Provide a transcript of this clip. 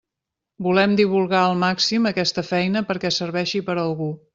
Volem divulgar al màxim aquesta feina perquè serveixi per a algú.